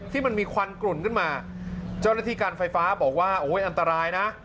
ที่มันมีควันกลุ่นขึ้นมาเจ้าหน้าที่การไฟฟ้าบอกว่าโอ้ยอันตรายนะ